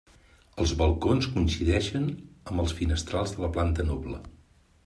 Els balcons coincideixen amb els finestrals de la planta noble.